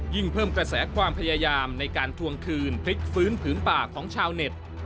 เพิ่มกระแสความพยายามในการทวงคืนพลิกฟื้นผืนป่าของชาวเน็ต